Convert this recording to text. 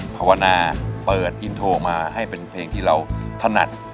ภาวนาเปิดอินโทรมาให้เป็นเพลงที่เราถนัด